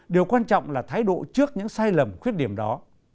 điều quan trọng là thái độ trước những sai lầm khuyết điểm đó